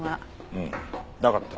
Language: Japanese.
うんなかった。